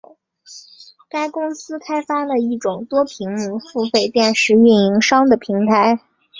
该公司开发了一种多屏幕付费电视运营商的平台。